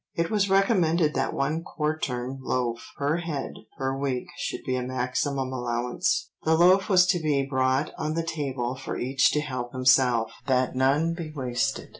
It was recommended that one quartern loaf per head per week should be a maximum allowance. The loaf was to be brought on the table for each to help himself, that none be wasted.